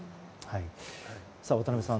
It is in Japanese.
渡辺さん